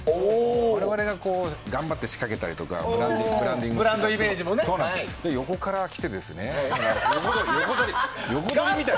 我々、頑張って仕掛けたりとかブランディングして横から来て、横取りみたいな。